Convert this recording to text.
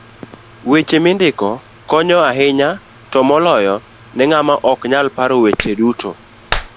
Weche mindiko konyo ahinya to moloyo ne ng'ama oknyal paro weche duto.